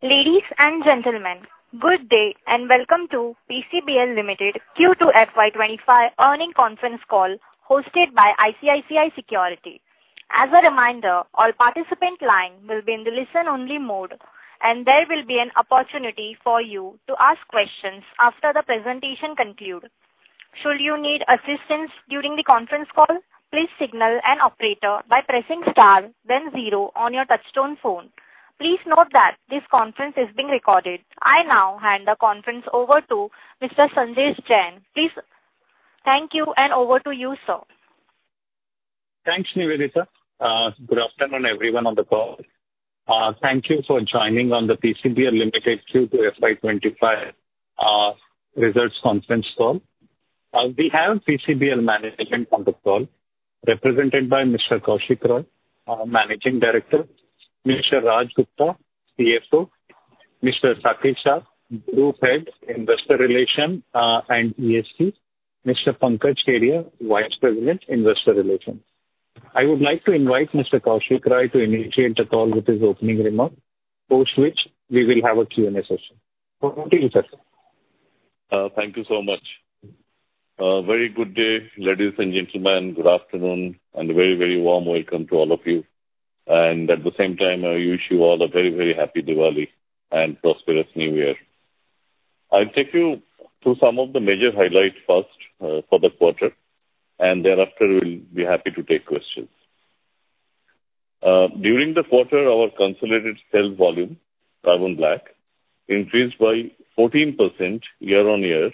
Ladies and gentlemen, good day and welcome to PCBL Limited Q2 FY25 earnings conference call hosted by ICICI Securities. As a reminder, all participant lines will be in the listen-only mode, and there will be an opportunity for you to ask questions after the presentation concludes. Should you need assistance during the conference call, please signal an operator by pressing star, then zero on your touch-tone phone. Please note that this conference is being recorded. I now hand the conference over to Mr. Sanjesh Jain. Please. Thank you, and over to you, sir. Thanks, Nivedita. Good afternoon, everyone on the call. Thank you for joining on the PCBL Limited Q2 FY25 results conference call. We have PCBL management on the call, represented by Mr. Kaushik Roy, Managing Director, Mr. Raj Gupta, CFO, Mr. Saket Sah, Group Head, Investor Relations and ESG, Mr. Pankaj Kedia, Vice President, Investor Relations. I would like to invite Mr. Kaushik Roy to initiate the call with his opening remarks, post which we will have a Q&A session. Over to you, sir. Thank you so much. Very good day, ladies and gentlemen. Good afternoon, and a very, very warm welcome to all of you, and at the same time, I wish you all a very, very happy Diwali and prosperous New Year. I'll take you through some of the major highlights first for the quarter, and thereafter, we'll be happy to take questions. During the quarter, our consolidated sales volume, carbon black, increased by 14% year-on-year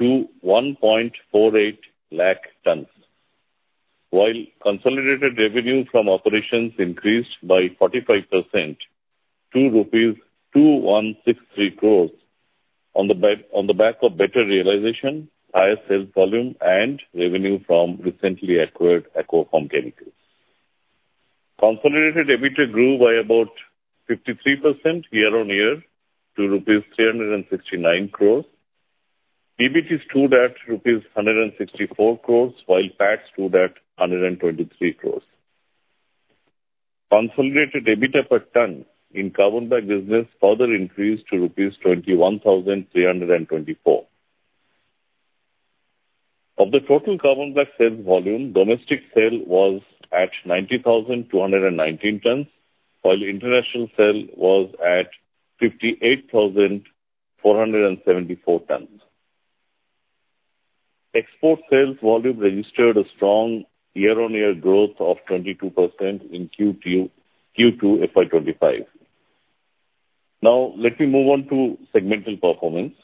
to 1.48 lakh tons, while consolidated revenue from operations increased by 45% to rupees 2,163 crores on the back of better realization, higher sales volume, and revenue from recently acquired Aquapharm Chemicals. Consolidated EBITDA grew by about 53% year-on-year to rupees 369 crores. EBIT stood at rupees 164 crores, while PAT stood at 123 crores. Consolidated EBITDA per ton in carbon black business further increased to rupees 21,324. Of the total carbon black sales volume, domestic sale was at 90,219 tons, while international sale was at 58,474 tons. Export sales volume registered a strong year-on-year growth of 22% in Q2 FY25. Now, let me move on to segmental performance.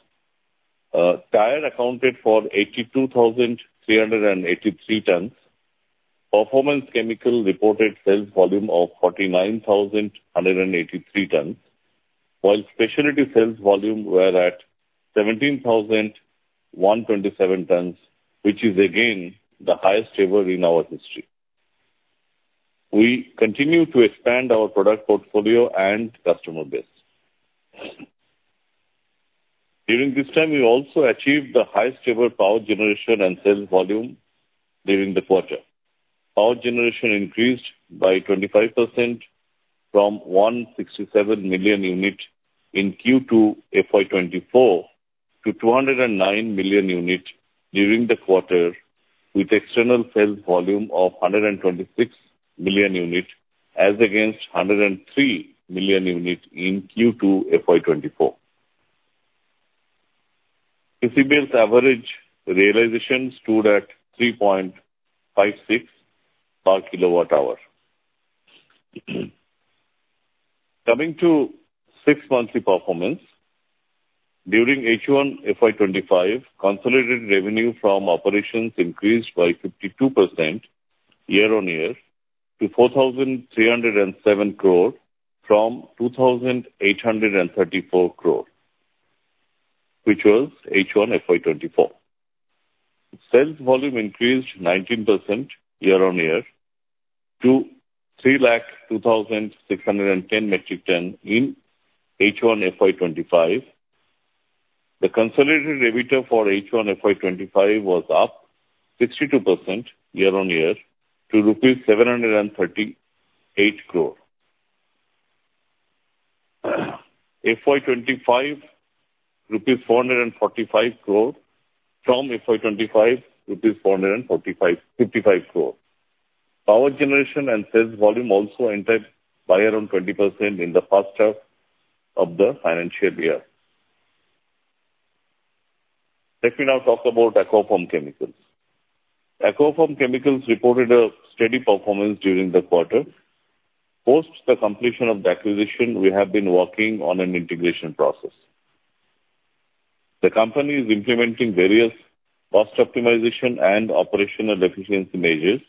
Tyre accounted for 82,383 tons. Performance Chemicals reported sales volume of 49,183 tons, while specialty sales volume were at 17,127 tons, which is again the highest ever in our history. We continue to expand our product portfolio and customer base. During this time, we also achieved the highest ever power generation and sales volume during the quarter. Power generation increased by 25% from 167 million units in Q2 FY24 to 209 million units during the quarter, with external sales volume of 126 million units as against 103 million units in Q2 FY24. PCBL's average realization stood at 3.56 per kilowatt-hour. Coming to six-monthly performance, during H1 FY25, consolidated revenue from operations increased by 52% year-on-year to 4,307 crores from 2,834 crores, which was H1 FY24. Sales volume increased 19% year-on-year to 302,610 metric tons in H1 FY25. The consolidated EBITDA for H1 FY25 was up 62% year-on-year to Rs 738 crores from H1 FY24, Rs 455 crores. Power generation and sales volume also increased by around 20% in the first half of the financial year. Let me now talk about Aquapharm Chemicals. Aquapharm Chemicals reported a steady performance during the quarter. Post the completion of the acquisition, we have been working on an integration process. The company is implementing various cost optimization and operational efficiency measures,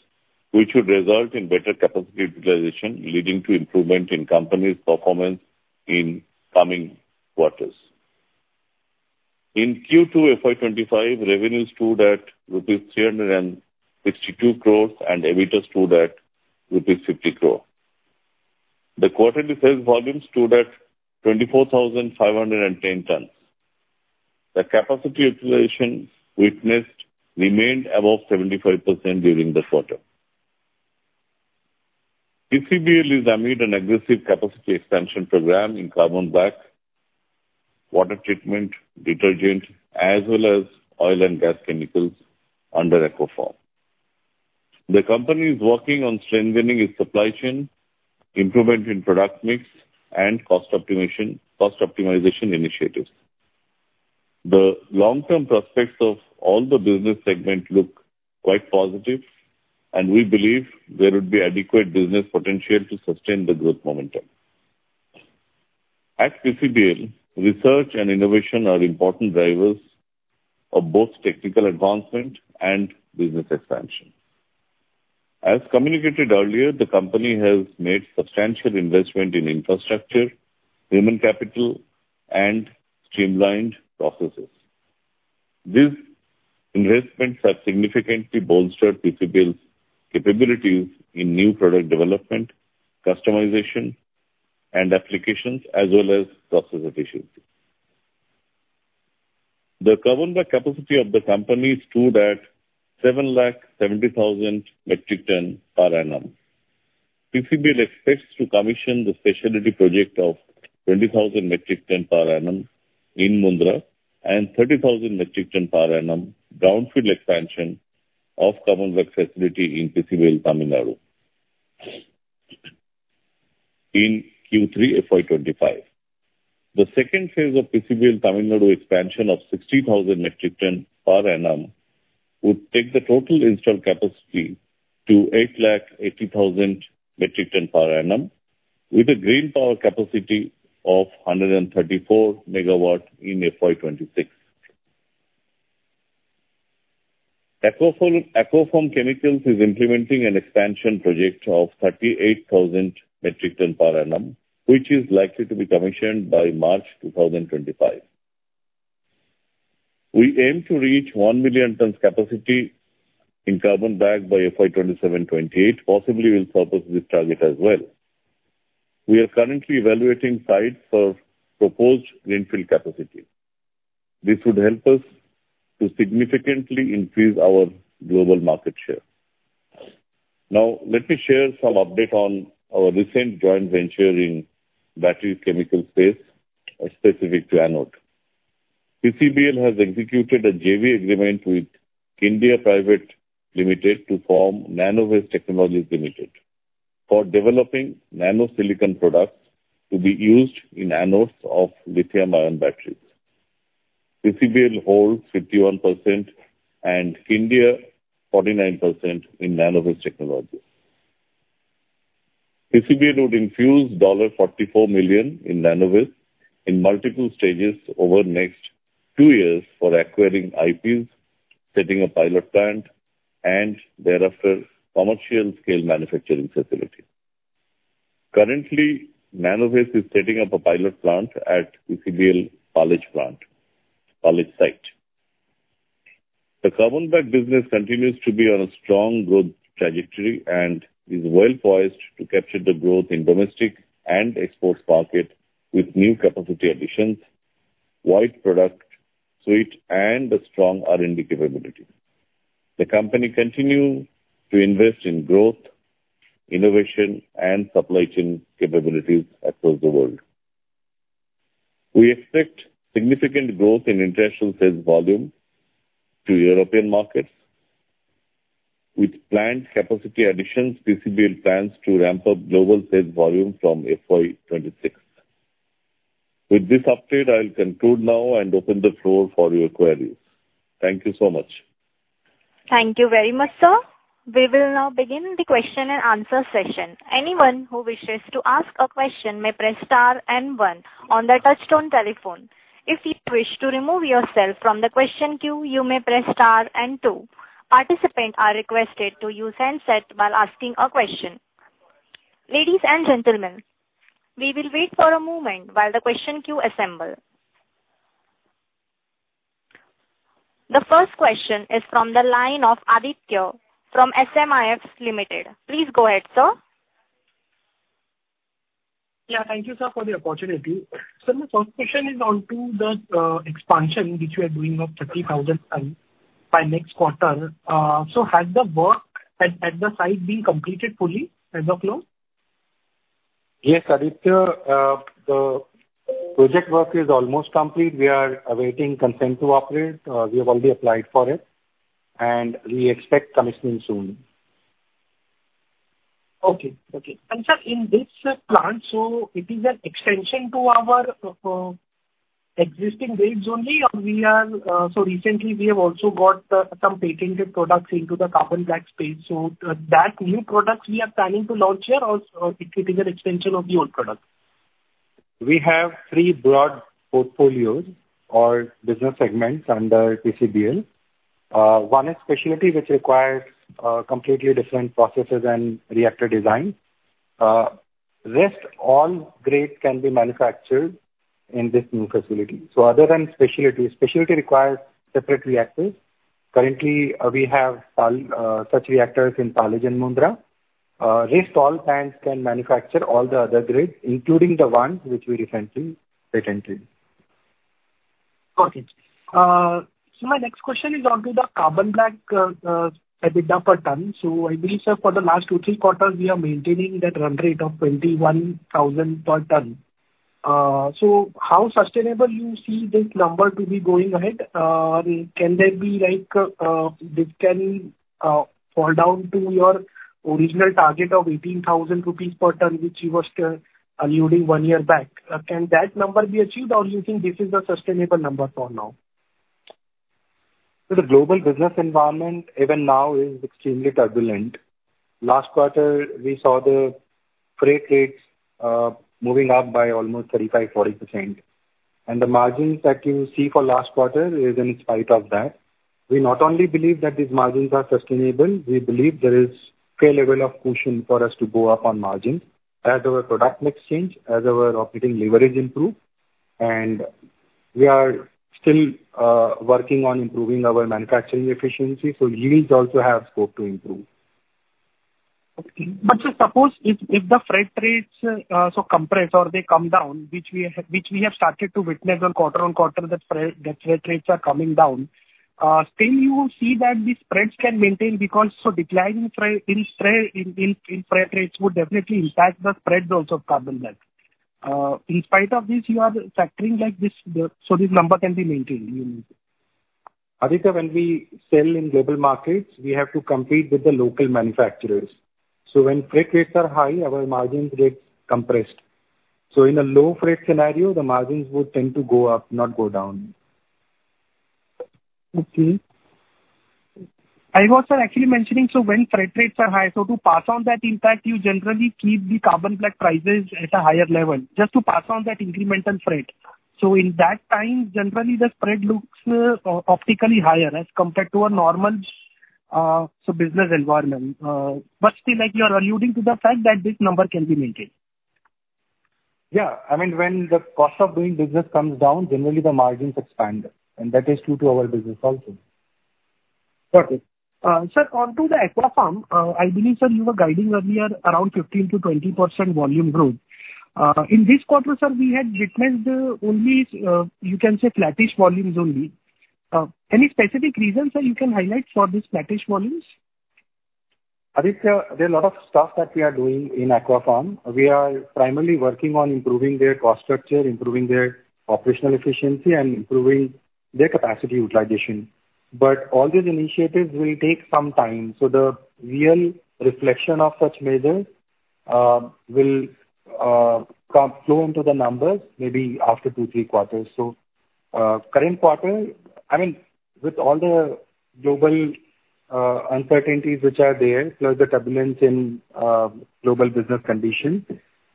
which would result in better capacity utilization, leading to improvement in company's performance in coming quarters. In Q2 FY25, revenues stood at rupees 362 crores, and EBITDA stood at rupees 50 crores. The quarterly sales volume stood at 24,510 tons. The capacity utilization witnessed remained above 75% during the quarter. PCBL is amid an aggressive capacity expansion program in carbon black, water treatment, detergent, as well as oil and gas chemicals under Aquapharm. The company is working on strengthening its supply chain, improvement in product mix, and cost optimization initiatives. The long-term prospects of all the business segments look quite positive, and we believe there would be adequate business potential to sustain the growth momentum. At PCBL, research and innovation are important drivers of both technical advancement and business expansion. As communicated earlier, the company has made substantial investment in infrastructure, human capital, and streamlined processes. These investments have significantly bolstered PCBL's capabilities in new product development, customization, and applications, as well as process efficiency. The carbon black capacity of the company stood at 770,000 metric tons per annum. PCBL expects to commission the specialty project of 20,000 metric tons per annum in Mundra and 30,000 metric tons per annum greenfield expansion of carbon black facility in PCBL, Tamil Nadu, in Q3 FY25. The second phase of PCBL, Tamil Nadu, expansion of 60,000 metric tons per annum would take the total installed capacity to 880,000 metric tons per annum, with a green power capacity of 134 megawatts in FY26. Aquapharm Chemicals is implementing an expansion project of 38,000 metric tons per annum, which is likely to be commissioned by March 2025. We aim to reach 1 million tons capacity in carbon black by FY27-28. Possibly, we'll surpass this target as well. We are currently evaluating sites for proposed greenfield capacity. This would help us to significantly increase our global market share. Now, let me share some updates on our recent joint venture in the battery chemical space, specific to anode. PCBL has executed a JV agreement with Kinaltek Pty Ltd to form Advaita Chemical Limited for developing nanosilicon products to be used in anodes of lithium-ion batteries. PCBL holds 51% and Kinaltek Pty Ltd 49% in Advaita Chemical Limited. PCBL would infuse $44 million in Nanowave in multiple stages over the next two years for acquiring IPs, setting up a pilot plant, and thereafter, a commercial-scale manufacturing facility. Currently, Nanowave is setting up a pilot plant at PCBL's Palej site. The carbon black business continues to be on a strong growth trajectory and is well poised to capture the growth in the domestic and export market with new capacity additions, wide product suite, and a strong R&D capability. The company continues to invest in growth, innovation, and supply chain capabilities across the world. We expect significant growth in international sales volume to European markets. With planned capacity additions, PCBL plans to ramp up global sales volume from FY26. With this update, I'll conclude now and open the floor for your queries. Thank you so much. Thank you very much, sir. We will now begin the question-and-answer session. Anyone who wishes to ask a question may press star and one on the touch-tone telephone. If you wish to remove yourself from the question queue, you may press star and two. Participants are requested to use handset while asking a question. Ladies and gentlemen, we will wait for a moment while the question queue assembles. The first question is from the line of Aditya from SMIFS Limited. Please go ahead, sir. Yeah, thank you, sir, for the opportunity. Sir, my first question is onto the expansion which we are doing of 30,000 tons by next quarter. So has the work at the site been completed fully as of now? Yes, Aditya, the project work is almost complete. We are awaiting consent to operate. We have already applied for it, and we expect commissioning soon. Okay. And, sir, in this plant, so it is an extension to our existing builds only, or we are so recently, we have also got some patented products into the carbon black space. So that new product we are planning to launch here, or it is an extension of the old product? We have three broad portfolios or business segments under PCBL. One is specialty, which requires completely different processes and reactor design. Rest all grades can be manufactured in this new facility. So other than specialty, specialty requires separate reactors. Currently, we have such reactors in Palej and Mundra. Rest all plants can manufacture all the other grades, including the ones which we recently patented. Okay. So my next question is onto the carbon black EBITDA per ton. So I believe, sir, for the last two, three quarters, we are maintaining that run rate of 21,000 per ton. So how sustainable do you see this number to be going ahead? Can there be like this can fall down to your original target of 18,000 rupees per ton, which you were still alluding to one year back? Can that number be achieved, or do you think this is a sustainable number for now? The global business environment, even now, is extremely turbulent. Last quarter, we saw the freight rates moving up by almost 35%-40%. And the margins that you see for last quarter is in spite of that. We not only believe that these margins are sustainable. We believe there is fair level of cushion for us to go up on margins as our product mix changes, as our operating leverage improves. And we are still working on improving our manufacturing efficiency, so yields also have scope to improve. But suppose if the freight rates so compress or they come down, which we have started to witness on quarter on quarter, that freight rates are coming down. Still you will see that these spreads can maintain because so declining in freight rates would definitely impact the spread also of carbon black. In spite of this, you are factoring like this, so this number can be maintained. Aditya, when we sell in global markets, we have to compete with the local manufacturers. So when freight rates are high, our margins get compressed. So in a low freight scenario, the margins would tend to go up, not go down. Okay. I was actually mentioning, so when freight rates are high, so to pass on that impact, you generally keep the carbon black prices at a higher level just to pass on that incremental freight. So in that time, generally, the spread looks optically higher as compared to a normal business environment. But still, you are alluding to the fact that this number can be maintained. Yeah. I mean, when the cost of doing business comes down, generally, the margins expand, and that is true to our business also. Got it. Sir, onto the Aquapharm, I believe, sir, you were guiding earlier around 15%-20% volume growth. In this quarter, sir, we had witnessed only, you can say, flattish volumes only. Any specific reasons, sir, you can highlight for these flattish volumes? Aditya, there are a lot of stuff that we are doing in Aquapharm. We are primarily working on improving their cost structure, improving their operational efficiency, and improving their capacity utilization. But all these initiatives will take some time. So the real reflection of such measures will flow into the numbers maybe after two, three quarters. So current quarter, I mean, with all the global uncertainties which are there, plus the turbulence in global business conditions,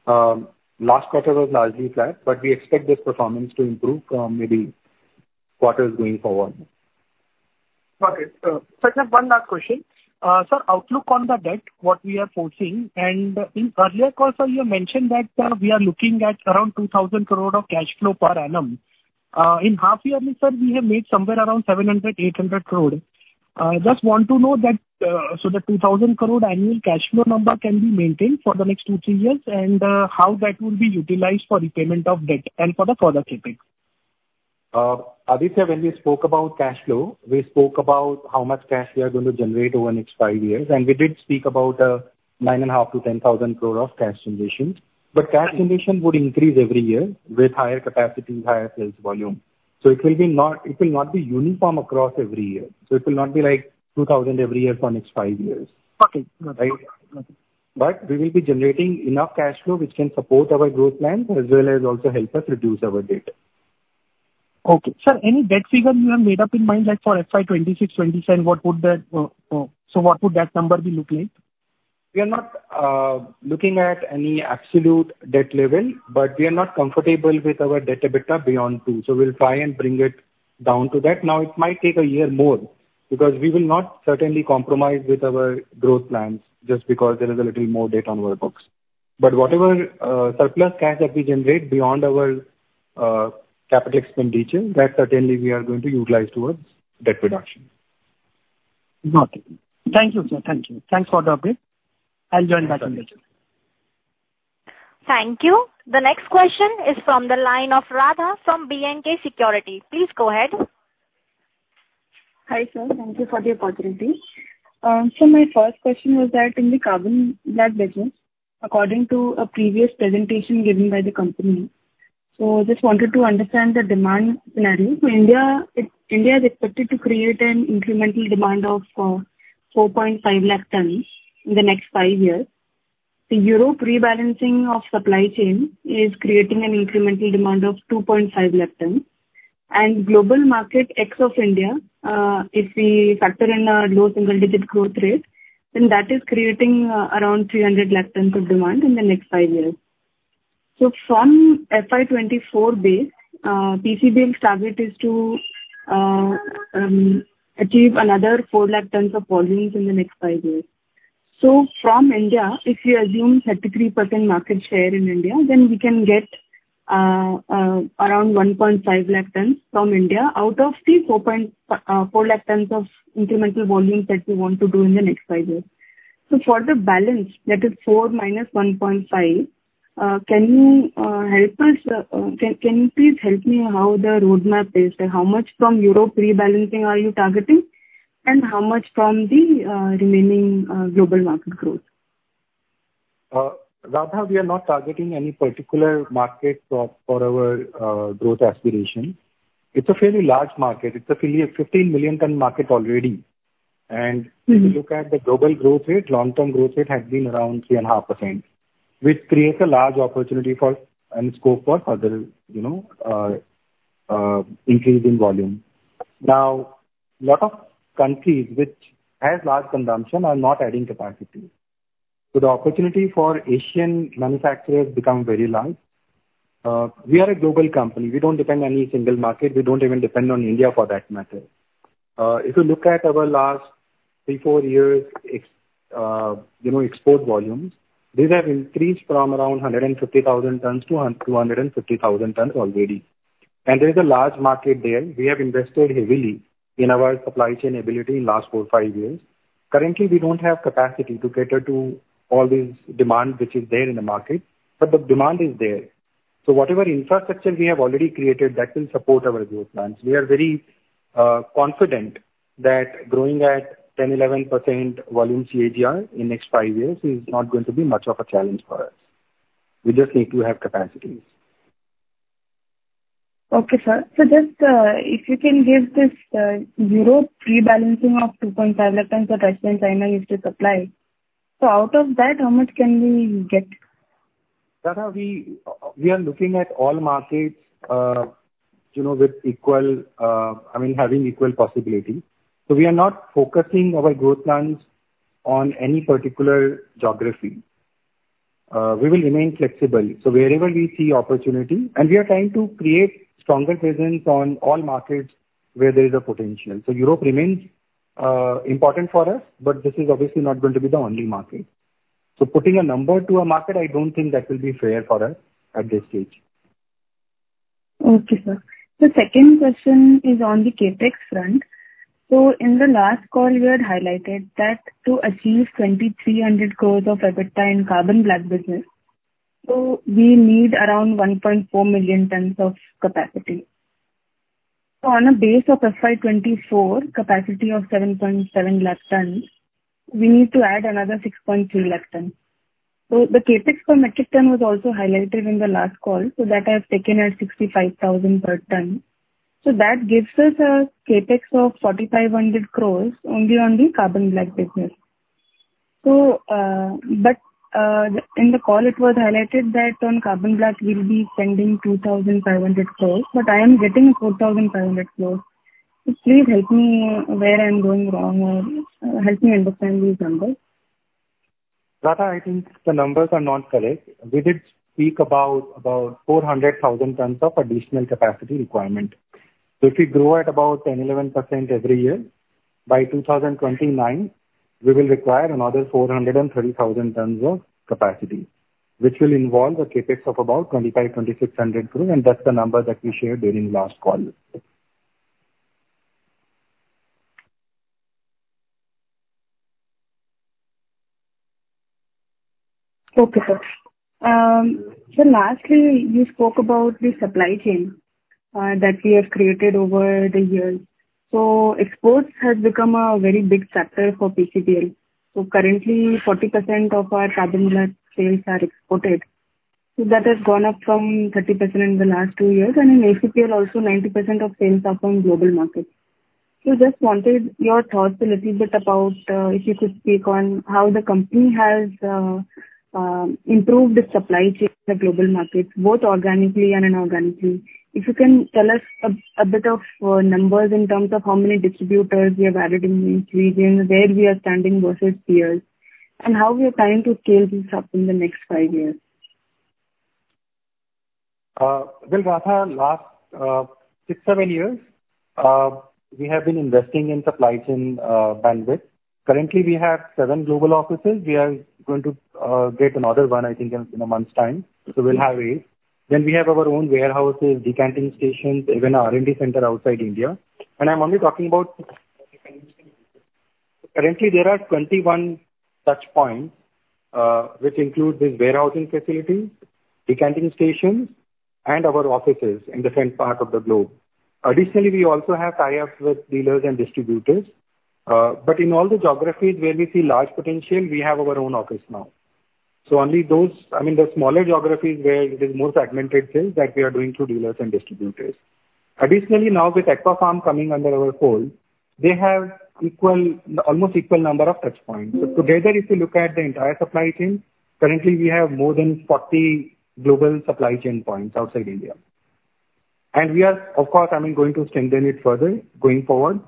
last quarter was largely flat, but we expect this performance to improve maybe quarters going forward. Got it. Sir, one last question. Sir, outlook on the debt, what we are foreseeing, and in earlier call, sir, you mentioned that we are looking at around 2,000 crore of cash flow per annum. In half yearly, sir, we have made somewhere around 700-800 crore. Just want to know that so the 2,000 crore annual cash flow number can be maintained for the next two, three years, and how that will be utilized for repayment of debt and for the further CapEx? Aditya, when we spoke about cash flow, we spoke about how much cash we are going to generate over the next five years, and we did speak about 9,500-10,000 crore of cash generation. But cash generation would increase every year with higher capacity, higher sales volume. So it will not be uniform across every year. So it will not be like 2,000 crore every year for the next five years. Okay. Got it. Right? But we will be generating enough cash flow which can support our growth plans as well as also help us reduce our debt. Okay. Sir, any debt figure you have in mind like for FY26, 27, what would that number look like? We are not looking at any absolute debt level, but we are not comfortable with our debt EBITDA beyond two. So we'll try and bring it down to that. Now, it might take a year more because we will not certainly compromise with our growth plans just because there is a little more debt on our books. But whatever surplus cash that we generate beyond our capital expenditure, that certainly we are going to utilize towards debt reduction. Got it. Thank you, sir. Thank you. Thanks for the update. I'll join back in a bit. Thank you. The next question is from the line of Radha from B&K Securities. Please go ahead. Hi, sir. Thank you for the opportunity. My first question was that in the carbon black business, according to a previous presentation given by the company, so I just wanted to understand the demand scenario. India is expected to create an incremental demand of 4.5 lakh tons in the next five years. The Europe rebalancing of supply chain is creating an incremental demand of 2.5 lakh tons. And global market ex-India, if we factor in a low single-digit growth rate, then that is creating around 300 lakh tons of demand in the next five years. From FY24 base, PCBL's target is to achieve another 4 lakh tons of volumes in the next five years. So from India, if we assume 33% market share in India, then we can get around 1.5 lakh tons from India out of the 4 lakh tons of incremental volumes that we want to do in the next five years. So for the balance, that is 4 minus 1.5, can you help us? Can you please help me how the roadmap is? How much from Europe rebalancing are you targeting, and how much from the remaining global market growth? Radha, we are not targeting any particular market for our growth aspiration. It's a fairly large market. It's a 15 million ton market already. And if you look at the global growth rate, long-term growth rate has been around 3.5%, which creates a large opportunity for and scope for further increasing volume. Now, a lot of countries which have large consumption are not adding capacity. So the opportunity for Asian manufacturers becomes very large. We are a global company. We don't depend on any single market. We don't even depend on India for that matter. If you look at our last three, four years' export volumes, these have increased from around 150,000 tons to 250,000 tons already. And there is a large market there. We have invested heavily in our supply chain ability in the last four, five years. Currently, we don't have capacity to cater to all this demand which is there in the market, but the demand is there. So whatever infrastructure we have already created that will support our growth plans, we are very confident that growing at 10%-11% volume CAGR in the next five years is not going to be much of a challenge for us. We just need to have capacity. Okay, sir. So just if you can give this Europe rebalancing of 2.5 lakh tons that Russia and China used to supply, so out of that, how much can we get? Radha, we are looking at all markets with equal, I mean, having equal possibility. So we are not focusing our growth plans on any particular geography. We will remain flexible. So wherever we see opportunity, and we are trying to create stronger presence on all markets where there is a potential. So Europe remains important for us, but this is obviously not going to be the only market. So putting a number to a market, I don't think that will be fair for us at this stage. Okay, sir. The second question is on the CapEx front. So in the last call, we had highlighted that to achieve 2,300 crore of EBITDA in carbon black business, we need around 1.4 million tons of capacity. So on a base of FY24, capacity of 7.7 lakh tons, we need to add another 6.3 lakh tons. So the CapEx per metric ton was also highlighted in the last call. So that I have taken at 65,000 per ton. So that gives us a CapEx of 4,500 crore only on the carbon black business. But in the call, it was highlighted that on carbon black, we'll be spending 2,500 crore, but I am getting 4,500 crore. So please help me where I'm going wrong or help me understand these numbers. Radha, I think the numbers are not correct. We did speak about 400,000 tons of additional capacity requirement. So if we grow at about 10%-11% every year, by 2029, we will require another 430,000 tons of capacity, which will involve a CapEx of about 2,500-2,600 crore, and that's the number that we shared during last call. Okay, sir. So lastly, you spoke about the supply chain that we have created over the years. So exports have become a very big factor for PCBL. So currently, 40% of our carbon black sales are exported. So that has gone up from 30% in the last two years, and in ACPL, also 90% of sales are from global markets. So just wanted your thoughts a little bit about if you could speak on how the company has improved its supply chain in the global markets, both organically and inorganically. If you can tell us a bit of numbers in terms of how many distributors we have added in each region, where we are standing versus peers, and how we are trying to scale this up in the next five years. Radha, last six, seven years, we have been investing in supply chain bandwidth. Currently, we have seven global offices. We are going to get another one, I think, in a month's time. We'll have eight. We have our own warehouses, decanting stations, even R&D center outside India. I'm only talking about. Currently, there are 21 touch points, which include these warehousing facilities, decanting stations, and our offices in different parts of the globe. Additionally, we also have tie-ups with dealers and distributors. In all the geographies where we see large potential, we have our own office now. Only those I mean, the smaller geographies where it is more segmented sales that we are doing through dealers and distributors. Additionally, now with Aquapharm coming under our fold, they have almost equal number of touch points. So together, if you look at the entire supply chain, currently, we have more than 40 global supply chain points outside India. And we are, of course, I mean, going to strengthen it further going forward.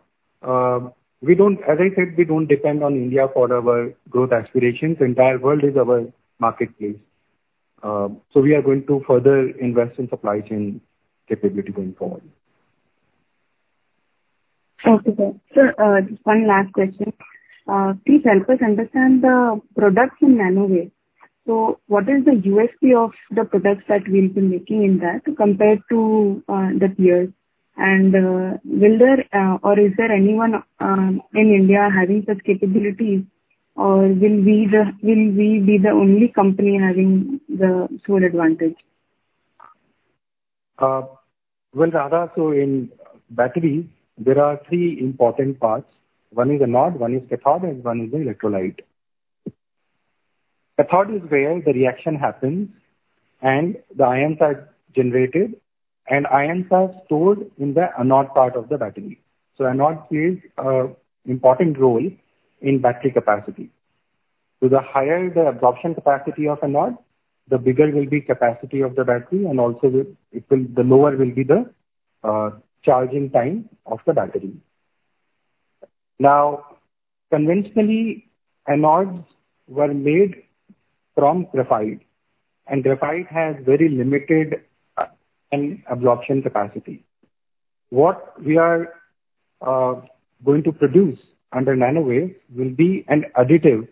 As I said, we don't depend on India for our growth aspirations. The entire world is our marketplace. So we are going to further invest in supply chain capability going forward. Okay. Sir, just one last question. Please help us understand the products in Nanowave. So what is the USP of the products that we've been making in that compared to the peers? And will there or is there anyone in India having such capabilities, or will we be the only company having the sole advantage? Well, Radha, so in batteries, there are three important parts. One is anode, one is cathode, and one is the electrolyte. Cathode is where the reaction happens and the ions are generated, and ions are stored in the anode part of the battery. So anode plays an important role in battery capacity. So the higher the absorption capacity of anode, the bigger will be the capacity of the battery, and also the lower will be the charging time of the battery. Now, conventionally, anodes were made from graphite, and graphite has very limited absorption capacity. What we are going to produce under Nanowave will be an additive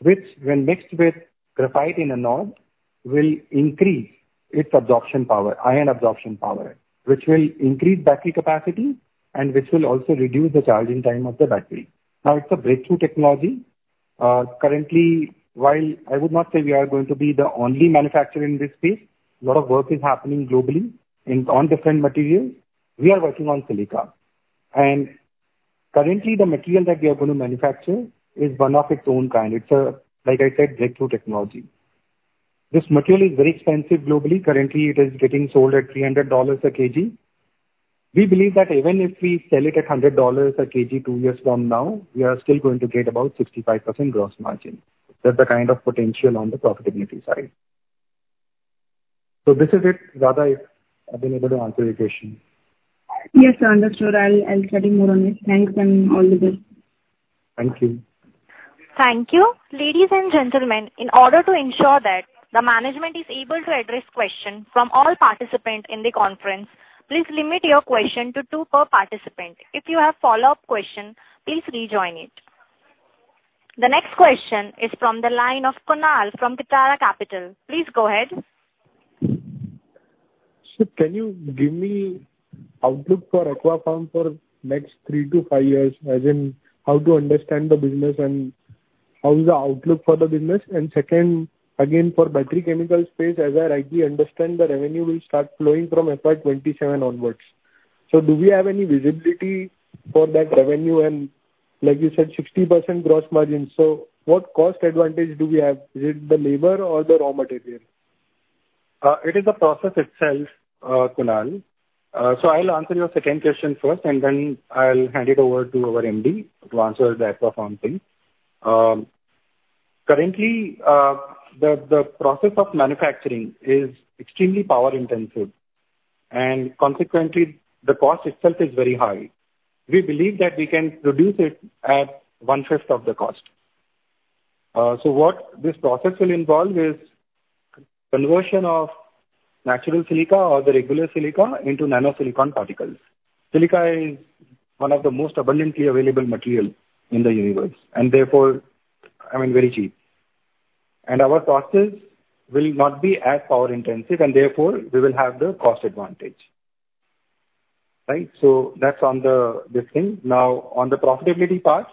which, when mixed with graphite in anode, will increase its absorption power, ion absorption power, which will increase battery capacity and which will also reduce the charging time of the battery. Now, it's a breakthrough technology. Currently, while I would not say we are going to be the only manufacturer in this space, a lot of work is happening globally on different materials. We are working on silica. And currently, the material that we are going to manufacture is one of a kind. It's a, like I said, breakthrough technology. This material is very expensive globally. Currently, it is getting sold at $300 a kg. We believe that even if we sell it at $100 a kg two years from now, we are still going to get about 65% gross margin. That's the kind of potential on the profitability side, so this is it, Radha. If I've been able to answer your question. Yes, sir. Understood. I'll study more on it. Thanks and all the best. Thank you. Thank you. Ladies and gentlemen, in order to ensure that the management is able to address questions from all participants in the conference, please limit your question to two per participant. If you have follow-up questions, please rejoin it. The next question is from the line of Kunal from Kitara Capital. Please go ahead. Sir, can you give me outlook for Aquapharm for the next three to five years, as in how to understand the business and how is the outlook for the business? And second, again, for battery chemical space, as I rightly understand, the revenue will start flowing from FY27 onwards. So do we have any visibility for that revenue? And like you said, 60% gross margin. So what cost advantage do we have? Is it the labor or the raw material? It is the process itself, Kunal. So I'll answer your second question first, and then I'll hand it over to our MD to answer the Aquapharm thing. Currently, the process of manufacturing is extremely power-intensive, and consequently, the cost itself is very high. We believe that we can produce it at one-fifth of the cost. So what this process will involve is conversion of natural silica or the regular silica into nanosilicon particles. Silica is one of the most abundantly available materials in the universe, and therefore, I mean, very cheap. And our process will not be as power-intensive, and therefore, we will have the cost advantage. Right? So that's on this thing. Now, on the profitability part,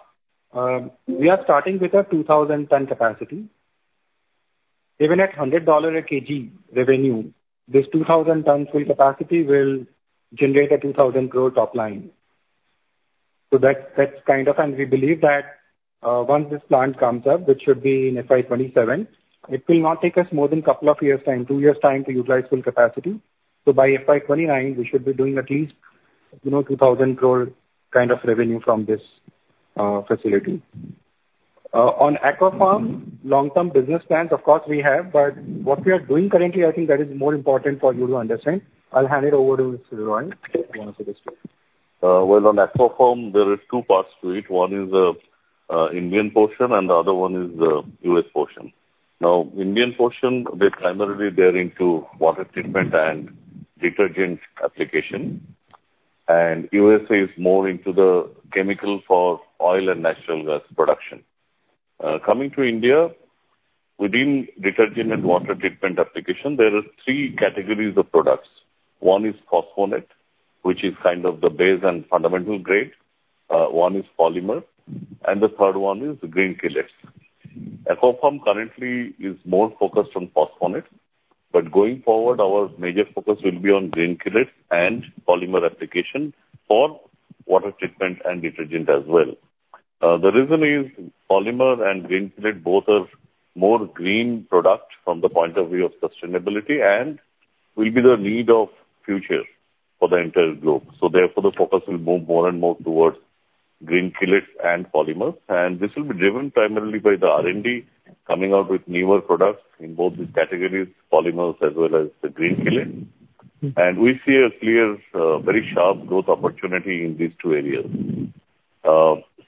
we are starting with a 2,000-ton capacity. Even at $100 a kg revenue, this 2,000-ton full capacity will generate an 2,000 crore top line. So that's kind of, and we believe that once this plant comes up, which should be in FY27, it will not take us more than a couple of years' time, two years' time to utilize full capacity. So by FY29, we should be doing at least 2,000 crore kind of revenue from this facility. On Aquapharm, long-term business plans, of course, we have, but what we are doing currently, I think that is more important for you to understand. I'll hand it over to Mr. Rohan if you want to say the story. On Aquapharm, there are two parts to it. One is the Indian portion, and the other one is the U.S. portion. Now, Indian portion, they're primarily there into water treatment and detergent application. And U.S. is more into the chemical for oil and natural gas production. Coming to India, within detergent and water treatment application, there are three categories of products. One is phosphonates, which is kind of the base and fundamental grade. One is polymers, and the third one is green chelates. Aquapharm currently is more focused on phosphonates, but going forward, our major focus will be on green chelates and polymers application for water treatment and detergent as well. The reason is polymers and green chelates both are more green products from the point of view of sustainability and will be the need of the future for the entire globe. So therefore, the focus will move more and more towards green chelates and polymers. And this will be driven primarily by the R&D coming out with newer products in both these categories, polymers as well as the green chelates. And we see a clear, very sharp growth opportunity in these two areas.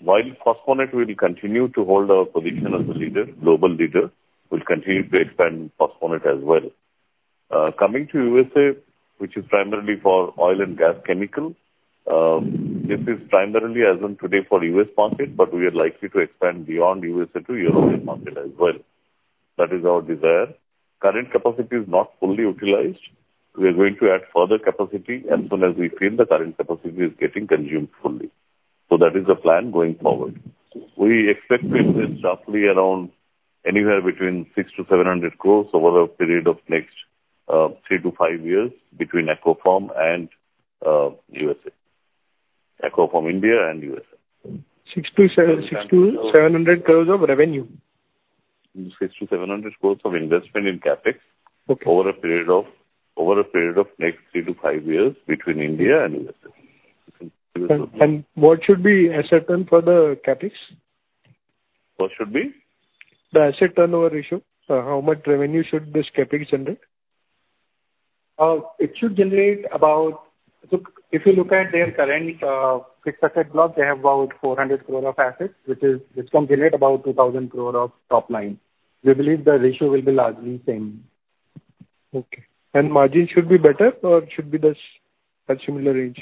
While phosphonate will continue to hold our position as a leader, global leader, we'll continue to expand phosphonate as well. Coming to USA, which is primarily for oil and gas chemicals, this is primarily as of today for the U.S. market, but we are likely to expand beyond USA to European market as well. That is our desire. Current capacity is not fully utilized. We are going to add further capacity as soon as we feel the current capacity is getting consumed fully. So that is the plan going forward. We expect to invest roughly around anywhere between 600 crore to 700 crore over a period of next three to five years between Aquapharm and USA, Aquapharm India and USA. 600-700 crores of revenue? 600-700 crores of investment in CapEx over a period of next three to five years between India and USA. What should be asset turnover for the capex? What should be? The Asset Turnover Ratio. How much revenue should this CapEx generate? It should generate about, if you look at their current fixed asset block, they have about 400 crore of assets, which can generate about 2,000 crore of top line. We believe the ratio will be largely the same. Okay. And margin should be better or should be at a similar range?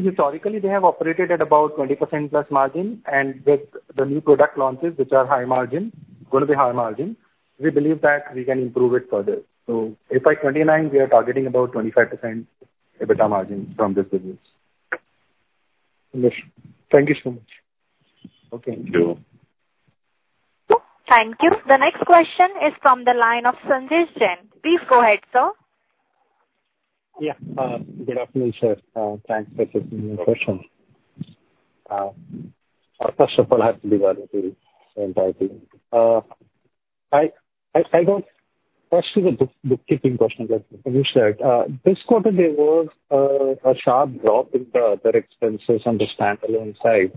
Historically, they have operated at about 20% plus margin, and with the new product launches, which are high margin, going to be high margin, we believe that we can improve it further. So FY29, we are targeting about 25% EBITDA margin from this business. Understood. Thank you so much. Okay. Thank you. Thank you. The next question is from the line of Sanjesh Jain. Please go ahead, sir. Yeah. Good afternoon, sir. Thanks for taking my question. First of all, I have to be very brief. I don't have a question on the bookkeeping that you shared. This quarter, there was a sharp drop in the expenses on the standalone side.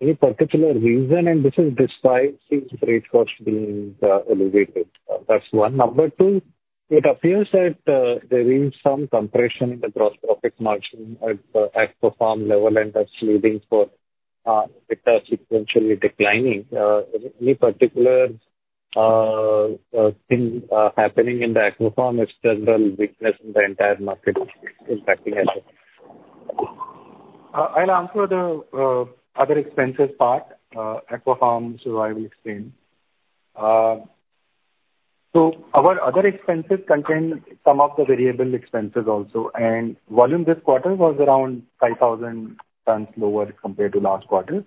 Any particular reason? And this is despite these raw material costs being elevated. That's one. Number two, it appears that there is some compression in the gross profit margin at the Aquapharm level, and that's leading to it sequentially declining. Any particular thing happening in the Aquapharm, or is it general weakness in the entire market impacting us? I'll answer the other expenses part for Aquapharm. I'll explain. So our other expenses contain some of the variable expenses also. And volume this quarter was around 5,000 tons lower compared to last quarter.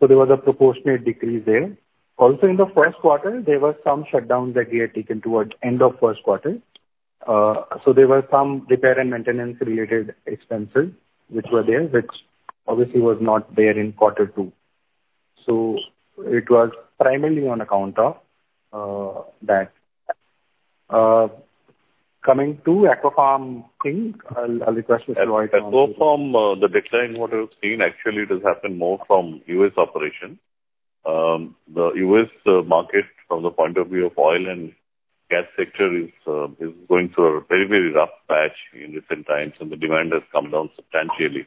So there was a proportionate decrease there. Also, in the first quarter, there were some shutdowns that we had taken towards the end of first quarter. So there were some repair and maintenance-related expenses which were there, which obviously was not there in quarter two. So it was primarily on account of that. Coming to Aquapharm, I'll request Mr. Rohan to answer. Aquapharm, the decline what I've seen, actually, it has happened more from U.S. operation. The U.S. market, from the point of view of oil and gas sector, is going through a very, very rough patch in recent times, and the demand has come down substantially.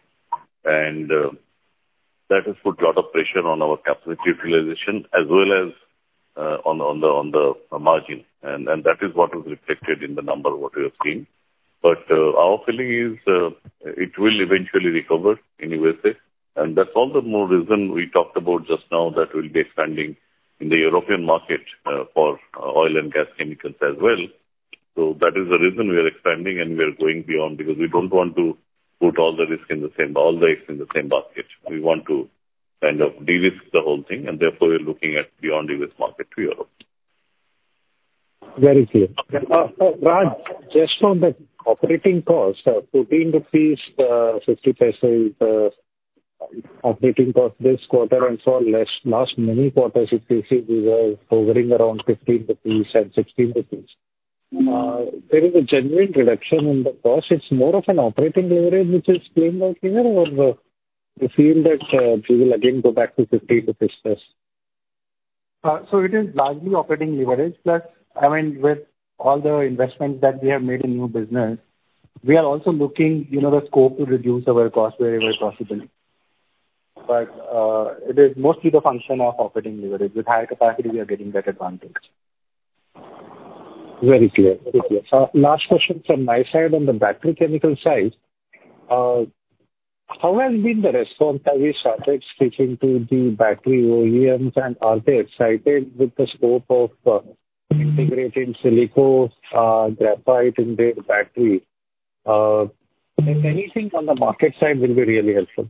That has put a lot of pressure on our capability utilization as well as on the margin. That is what was reflected in the number what we have seen. Our feeling is it will eventually recover in USA. That's also more reason we talked about just now that we'll be expanding in the European market for oil and gas chemicals as well. That is the reason we are expanding and we are going beyond because we don't want to put all the risk in the same all the eggs in the same basket. We want to kind of de-risk the whole thing, and therefore, we're looking at beyond the U.S. market to Europe. Very clear. Roy, just on the operating cost, INR 14.50 operating cost this quarter and for last many quarters, it seems we were hovering around 15 rupees and 16 rupees. There is a genuine reduction in the cost. It's more of an operating leverage which is playing out here, or do you feel that we will again go back to 15 plus? So it is largely operating leverage. Plus, I mean, with all the investments that we have made in new business, we are also looking at the scope to reduce our cost wherever possible. But it is mostly the function of operating leverage. With higher capacity, we are getting that advantage. Very clear. Last question from my side on the battery chemical side. How has been the response as we started speaking to the battery OEMs, and are they excited with the scope of integrating silicon, graphite, and their battery? Anything on the market side will be really helpful.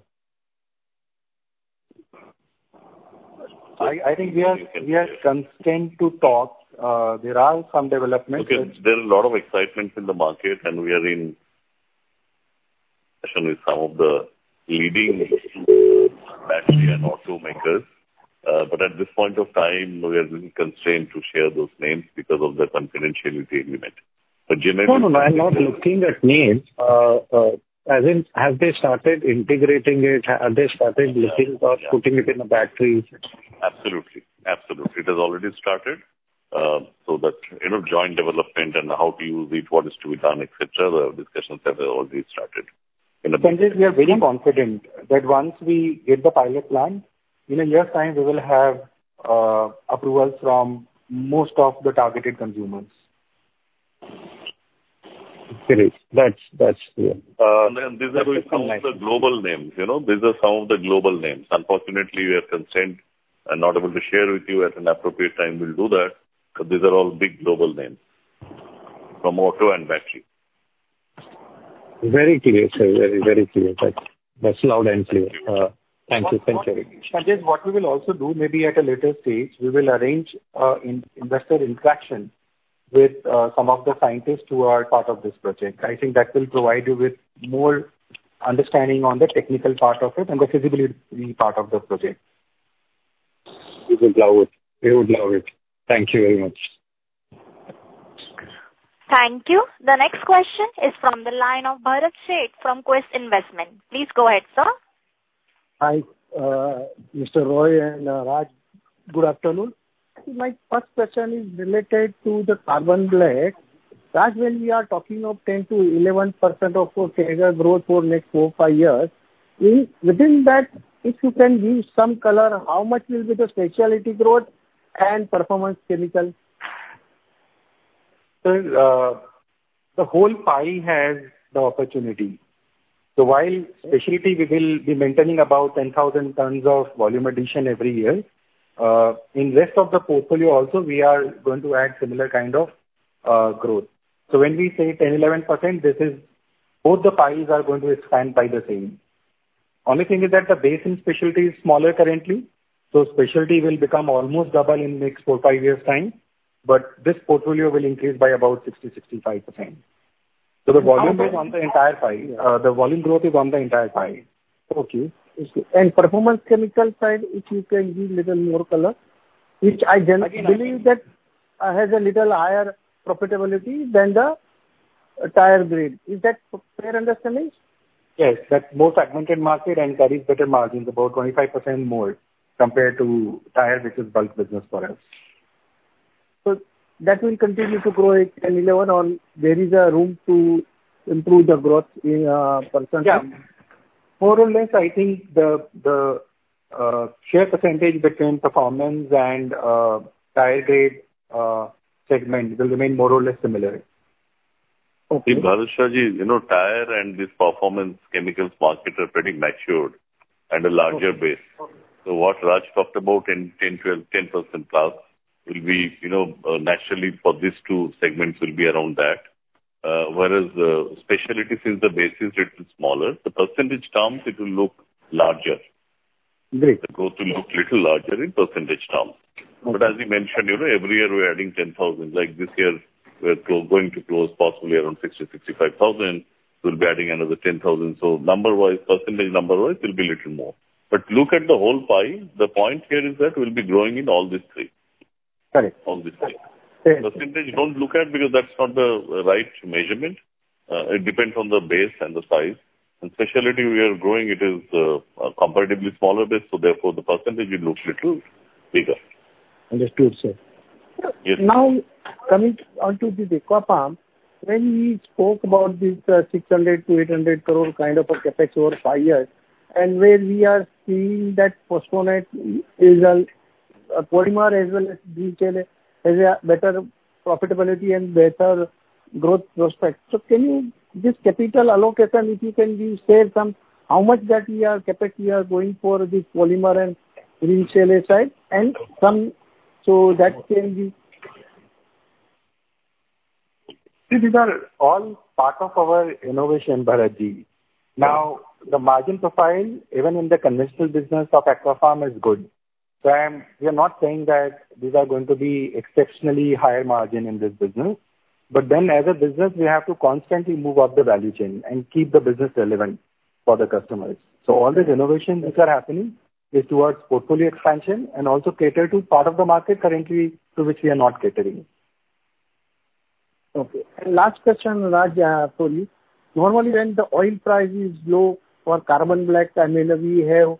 I think we are connected to talk. There are some developments. There's a lot of excitement in the market, and we are in discussion with some of the leading battery and auto makers. But at this point of time, we are really constrained to share those names because of the confidentiality agreement. But Jim, I think. No, no, no. I'm not looking at names. As in, have they started integrating it? Have they started looking or putting it in the batteries? Absolutely. Absolutely. It has already started. So that joint development and how to use it, what is to be done, etc., the discussions have already started. Sanjay, we are very confident that once we get the pilot plant, in a year's time, we will have approvals from most of the targeted consumers. Very good. That's clear. These are some of the global names. Unfortunately, we are constrained and not able to share with you at an appropriate time. We'll do that because these are all big global names from auto and battery. Very clear, sir. Very, very clear. That's loud and clear. Thank you. Thank you. Sanjay, what we will also do maybe at a later stage, we will arrange investor interaction with some of the scientists who are part of this project. I think that will provide you with more understanding on the technical part of it and the feasibility part of the project. He would love it. He would love it. Thank you very much. Thank you. The next question is from the line of Bharat Sheth from Quest Investment. Please go ahead, sir. Hi, Mr. Roy and Raj. Good afternoon. My first question is related to the carbon black. That when we are talking of 10%-11% chemical growth for next four, five years, within that, if you can give some color, how much will be the specialty growth and performance chemical? So the whole pie has the opportunity. So while specialty, we will be maintaining about 10,000 tons of volume addition every year, in the rest of the portfolio also, we are going to add similar kind of growth. So when we say 10-11%, this is both the pies are going to expand by the same. The only thing is that the base in specialty is smaller currently. So specialty will become almost double in the next four-five years' time, but this portfolio will increase by about 60-65%. So the volume is on the entire pie. The volume growth is on the entire pie. Okay, and performance chemicals side, if you can give a little more color, which I believe that has a little higher profitability than the tire grade. Is that fair understanding? Yes. That's more segmented market, and that is better margins, about 25% more compared to tire, which is bulk business for us. So that will continue to grow 10, 11, or there is a room to improve the growth in a percentage? Yeah. More or less, I think the share percentage between performance and tire grade segment will remain more or less similar. See, Bharat Sheth, tire and this performance chemicals market are pretty matured and a larger base. So what Raj talked about in 10-12, 10% plus will be naturally for these two segments will be around that. Whereas specialty since the base is a little smaller, the percentage terms, it will look larger. Great. It goes to look a little larger in percentage terms. But as you mentioned, every year we're adding 10,000. Like this year, we're going to close possibly around 60, 65 thousand. We'll be adding another 10,000. So number-wise, percentage number-wise, it'll be a little more. But look at the whole pie. The point here is that we'll be growing in all these three. Got it. All these three. Percentage, don't look at because that's not the right measurement. It depends on the base and the size, and specialty we are growing, it is a comparatively smaller base, so therefore, the percentage will look a little bigger. Understood, sir. Yes. Now, coming on to this Aquapharm, when we spoke about this 600-800 crore kind of a CapEx over five years, and where we are seeing that phosphonates and polymers as well as green chelates has a better profitability and better growth prospects. So can you just capital allocation, if you can give share some, how much that we are CapEx, we are going for this polymers and green chelates side? And some. So that can be. See, these are all part of our innovation, Bharath Ji. Now, the margin profile, even in the conventional business of Aquapharm, is good. So we are not saying that these are going to be exceptionally higher margin in this business. But then as a business, we have to constantly move up the value chain and keep the business relevant for the customers. So all the innovations which are happening is towards portfolio expansion and also cater to part of the market currently to which we are not catering. Okay. And last question, Raj, for you. Normally, when the oil price is low for carbon black, I mean, we have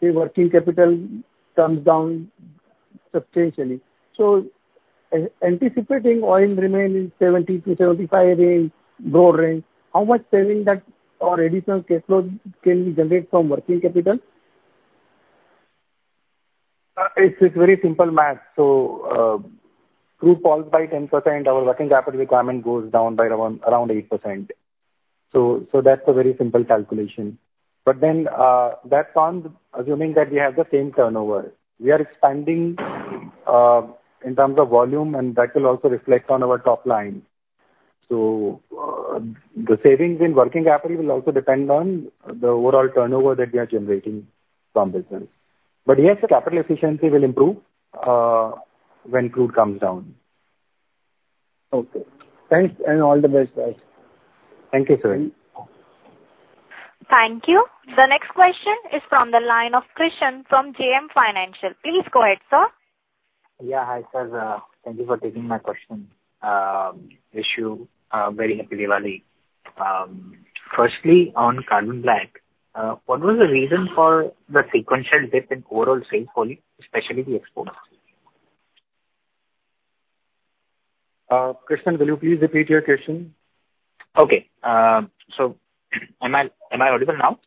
the working capital comes down substantially. So anticipating oil remain in $70-$75 range, broad range, how much saving that or additional cash flow can we generate from working capital? It's a very simple math. So throughput falls by 10%, our working capital requirement goes down by around 8%. So that's a very simple calculation. But then that's on assuming that we have the same turnover. We are expanding in terms of volume, and that will also reflect on our top line. So the savings in working capital will also depend on the overall turnover that we are generating from business. But yes, the capital efficiency will improve when crude comes down. Okay. Thanks and all the best, Raj. Thank you, sir. Thank you. The next question is from the line of Krishan from JM Financial. Please go ahead, sir. Yeah. Hi, sir. Thank you for taking my question issue. Very happy Diwali. Firstly, on Carbon Black, what was the reason for the sequential dip in overall sales volume, especially the exports? Krishan, will you please repeat your question? Okay. So am I audible now?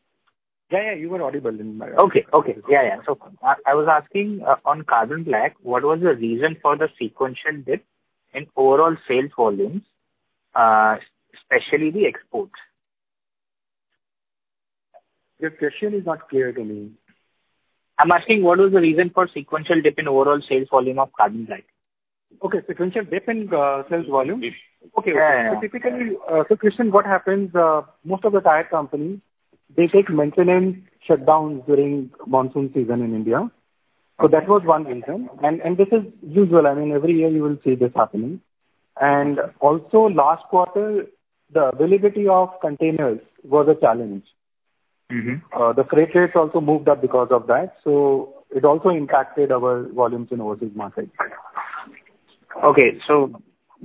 Yeah, yeah. You were audible in my audio. I was asking on carbon black, what was the reason for the sequential dip in overall sales volumes, especially the exports? Your question is not clear to me. I'm asking what was the reason for sequential dip in overall sales volume of carbon black? Okay. Sequential dip in sales volume? Yeah, yeah. Okay. So typically, so Krishan, what happens, most of the tire companies, they take maintenance shutdowns during monsoon season in India. So that was one reason. And this is usual. I mean, every year you will see this happening. And also, last quarter, the availability of containers was a challenge. The freight rates also moved up because of that. So it also impacted our volumes in overseas markets. Okay. So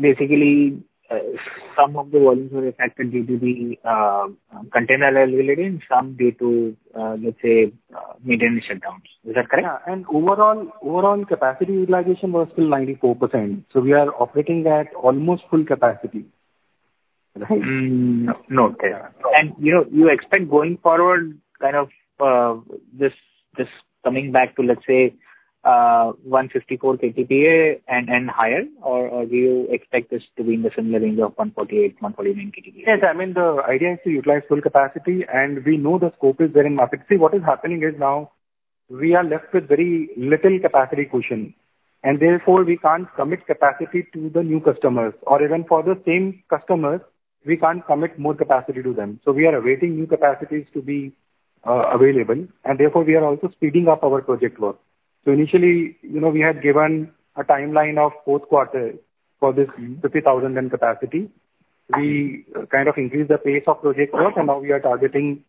basically, some of the volumes were affected due to the container availability and some due to, let's say, maintenance shutdowns. Is that correct? Yeah. And overall capacity utilization was still 94%. So we are operating at almost full capacity. Right? No. And you expect going forward kind of this coming back to, let's say, 154 KTPA and higher, or do you expect this to be in the similar range of 148, 149 KTPA? Yes. I mean, the idea is to utilize full capacity, and we know the scope is there in market. See, what is happening is now we are left with very little capacity cushion, and therefore we can't commit capacity to the new customers. Or even for the same customers, we can't commit more capacity to them, so we are awaiting new capacities to be available. And therefore, we are also speeding up our project work. So initially, we had given a timeline of fourth quarter for this 50,000 capacity. We kind of increased the pace of project work, and now we are targeting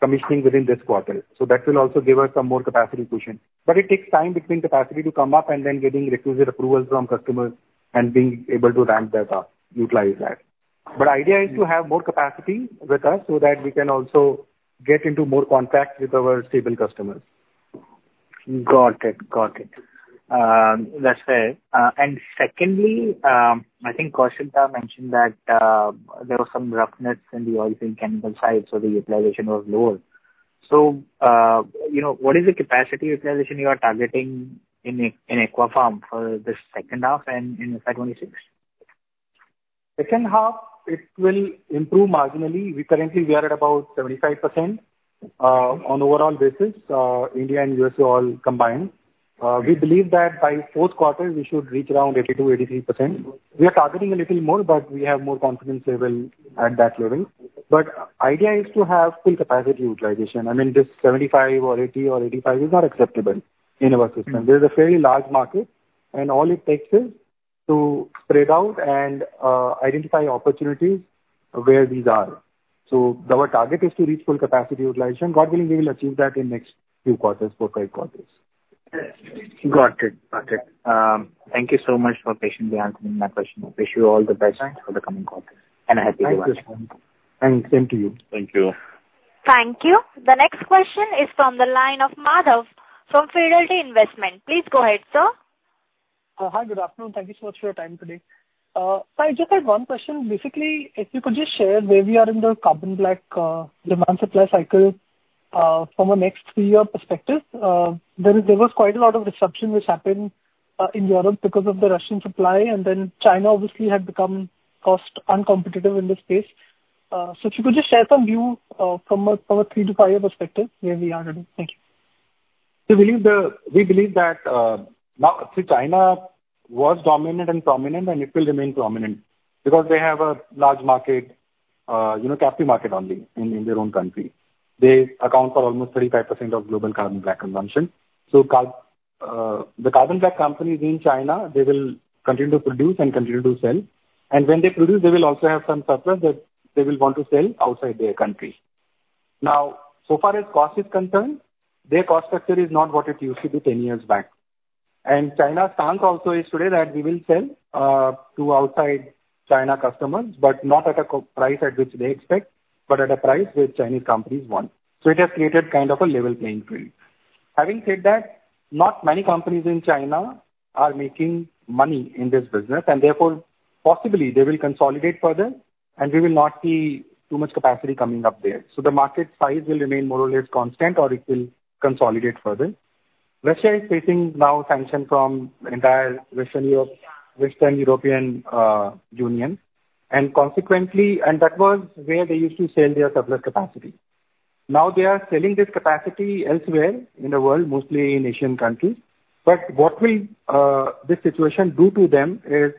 commissioning within this quarter, so that will also give us some more capacity cushion. But it takes time between capacity to come up and then getting requisite approvals from customers and being able to ramp that up, utilize that. But the idea is to have more capacity with us so that we can also get into more contract with our stable customers. Got it. Got it. That's fair. And secondly, I think Krishan mentioned that there was some roughness in the oilfield chemical side, so the utilization was lower. So what is the capacity utilization you are targeting in Aquapharm for this second half and in FY26? Second half, it will improve marginally. Currently, we are at about 75% on overall basis, India and USA all combined. We believe that by fourth quarter, we should reach around 82%-83%. We are targeting a little more, but we have more confidence level at that level. But the idea is to have full capacity utilization. I mean, this 75% or 80% or 85% is not acceptable in our system. There is a fairly large market, and all it takes is to spread out and identify opportunities where these are. So our target is to reach full capacity utilization. God willing, we will achieve that in the next few quarters, four, five quarters. Got it. Got it. Thank you so much for patiently answering my question. Wish you all the best for the coming quarter. Thanks. A happy Diwali. Thank you, sir. And same to you. Thank you. Thank you. The next question is from the line of Madhav from Fidelity Investments. Please go ahead, sir. Hi, good afternoon. Thank you so much for your time today. Hi, just had one question. Basically, if you could just share where we are in the carbon black demand supply cycle from a next three-year perspective. There was quite a lot of disruption which happened in Europe because of the Russian supply, and then China, obviously, had become cost uncompetitive in this space, so if you could just share some view from a three to five-year perspective where we are in. Thank you. We believe that now, see, China was dominant and prominent, and it will remain prominent because they have a large market, captive market only in their own country. They account for almost 35% of global carbon black consumption, so the carbon black companies in China, they will continue to produce and continue to sell, and when they produce, they will also have some surplus that they will want to sell outside their country. Now, so far as cost is concerned, their cost structure is not what it used to be 10 years back, and China's stance also is today that we will sell to outside China customers, but not at a price at which they expect, but at a price which Chinese companies want, so it has created kind of a level playing field. Having said that, not many companies in China are making money in this business. Therefore, possibly, they will consolidate further, and we will not see too much capacity coming up there. So the market size will remain more or less constant, or it will consolidate further. Russia is facing now sanctions from the entire Western European Union. That was where they used to sell their surplus capacity. Now they are selling this capacity elsewhere in the world, mostly in Asian countries. What will this situation do to them is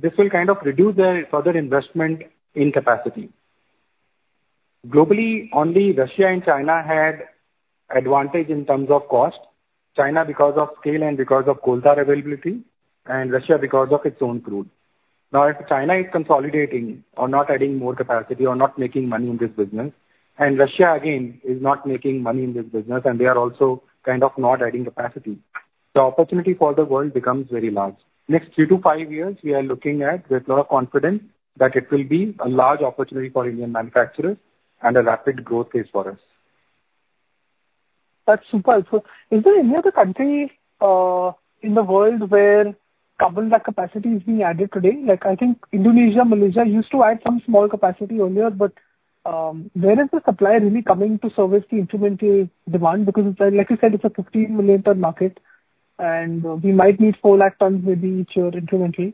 this will kind of reduce their further investment in capacity. Globally, only Russia and China had advantage in terms of cost. China, because of scale and because of coal tar availability, and Russia because of its own crude. Now, if China is consolidating or not adding more capacity or not making money in this business, and Russia, again, is not making money in this business, and they are also kind of not adding capacity, the opportunity for the world becomes very large. Next three to five years, we are looking at with a lot of confidence that it will be a large opportunity for Indian manufacturers and a rapid growth phase for us. That's super. So is there any other country in the world where carbon black capacity is being added today? I think Indonesia, Malaysia used to add some small capacity earlier, but where is the supply really coming to service the incremental demand? Because, like you said, it's a 15 million ton market, and we might need 4 lakh tons maybe each year incrementally.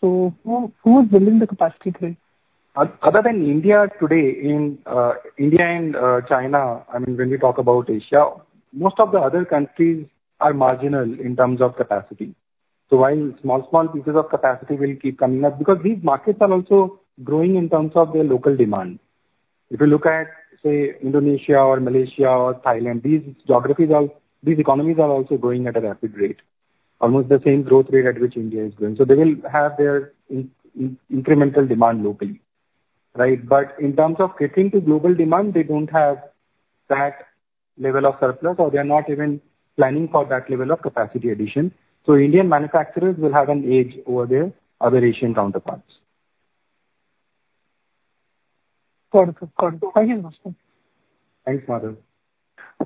So who is building the capacity today? Other than India today, in India and China, I mean, when we talk about Asia, most of the other countries are marginal in terms of capacity. So while small, small pieces of capacity will keep coming up because these markets are also growing in terms of their local demand. If you look at, say, Indonesia or Malaysia or Thailand, these geographies are, these economies are also growing at a rapid rate, almost the same growth rate at which India is growing. So they will have their incremental demand locally. Right? But in terms of catering to global demand, they don't have that level of surplus, or they're not even planning for that level of capacity addition. So Indian manufacturers will have an edge over their other Asian counterparts. Got it. Got it. Thank you, sir. Thanks, Madhav.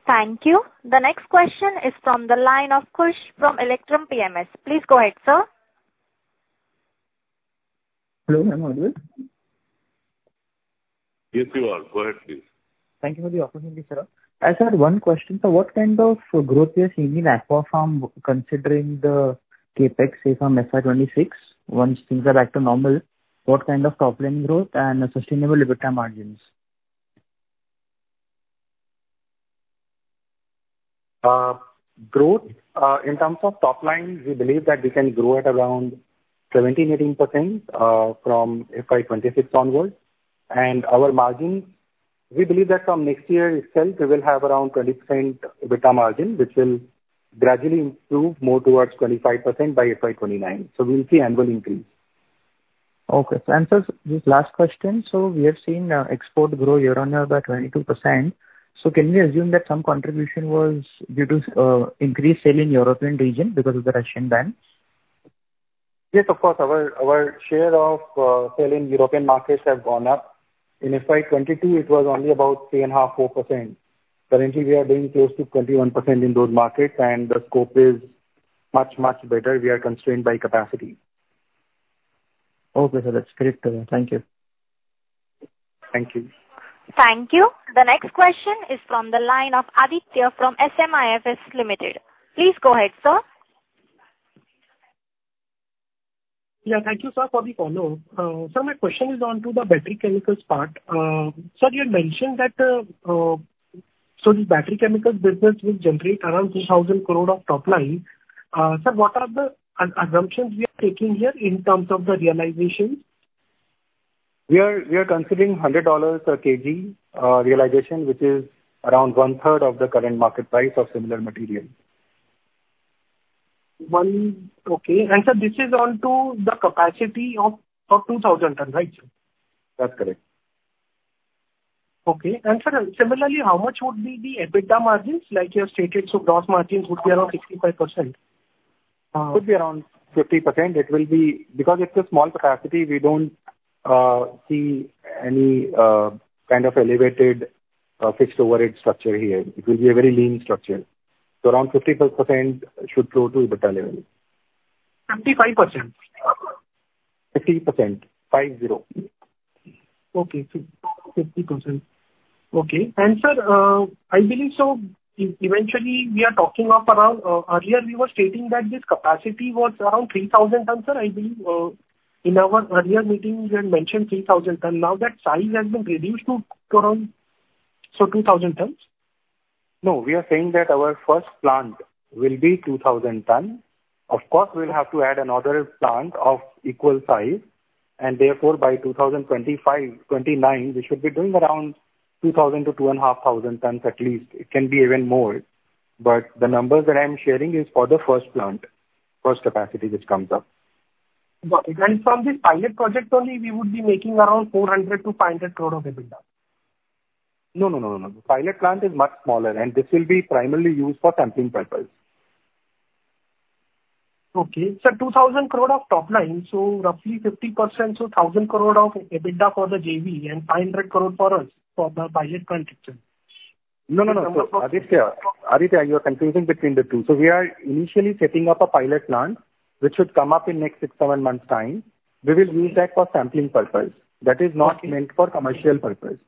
Thank you. The next question is from the line of Krish from Electrum PMS. Please go ahead, sir. Hello. Am I audible Yes, you are. Go ahead, please. Thank you for the opportunity, sir. I just had one question. So what kind of growth in India and Aquapharm considering the CapEx, say, from FY26 once things are back to normal? What kind of top-line growth and sustainable EBITDA margins? Growth in terms of top line, we believe that we can grow at around 17-18% from FY26 onward. And our margin, we believe that from next year itself, we will have around 20% EBITDA margin, which will gradually improve more towards 25% by FY29. So we'll see annual increase. Okay. And sir, this last question. So we have seen export grow year on year by 22%. So can we assume that some contribution was due to increased sale in European region because of the Russian ban? Yes, of course. Our share of sales in European markets has gone up. In FY22, it was only about 3.5-4%. Currently, we are doing close to 21% in those markets, and the scope is much, much better. We are constrained by capacity. Okay, sir. That's great. Thank you. Thank you. Thank you. The next question is from the line of Aditya from SMIFS Limited. Please go ahead, sir. Yeah. Thank you, sir, for the follow-up. Sir, my question is onto the battery chemicals part. Sir, you had mentioned that so the battery chemicals business will generate around 2,000 crore of top line. Sir, what are the assumptions we are taking here in terms of the realization? We are considering $100 per kg realization, which is around one-third of the current market price of similar material. Okay, and sir, this is onto the capacity of 2,000 ton. Right? That's correct. Okay, and sir, similarly, how much would be the EBITDA margins? Like you have stated, so gross margins would be around 65%. It would be around 50%. It will be because it's a small capacity, we don't see any kind of elevated fixed overhead structure here. It will be a very lean structure. So around 55% should flow to EBITDA level. 55%? 50%. 5-0. Okay. So 50%. Okay. And sir, I believe so eventually, we are talking of around earlier, we were stating that this capacity was around 3,000 tons, sir. I believe in our earlier meeting, you had mentioned 3,000 tons. Now that size has been reduced to around, sir, 2,000 tons? No. We are saying that our first plant will be 2,000 tons. Of course, we'll have to add another plant of equal size. And therefore, by 2025-29, we should be doing around 2,000-2,500 tons at least. It can be even more. But the numbers that I'm sharing is for the first plant, first capacity which comes up. Got it. And from this pilot project only, we would be making around 400-500 crore of EBITDA? No, no, no, no, no. The pilot plant is much smaller, and this will be primarily used for sampling purpose. Okay. Sir, 2,000 crore of top line, so roughly 50%, so 1,000 crore of EBITDA for the JV and 500 crore for us for the pilot plant itself. No, no, no. Aditya, Aditya, you are confusing between the two. So we are initially setting up a pilot plant which should come up in next six, seven months' time. We will use that for sampling purpose. That is not meant for commercial purpose.